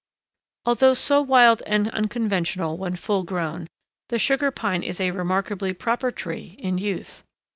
] Although so wild and unconventional when full grown, the Sugar Pine is a remarkably proper tree in youth.